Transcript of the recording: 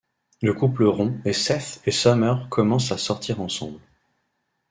Le couple rompt, et Seth et Summer commencent à sortir ensemble.